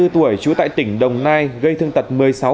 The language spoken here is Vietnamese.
ba mươi bốn tuổi chú tại tỉnh đồng nai gây thương tật một mươi sáu